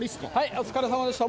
お疲れさまでした。